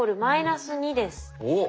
おっ。